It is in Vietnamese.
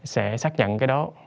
sẽ xác nhận cái đó